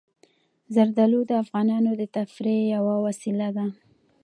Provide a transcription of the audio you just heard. زردالو د افغانانو د تفریح یوه وسیله ده.